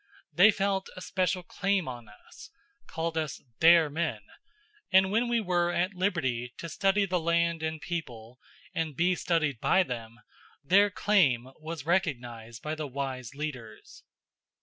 They felt a special claim on us called us "their men" and when we were at liberty to study the land and people, and be studied by them, their claim was recognized by the wise leaders.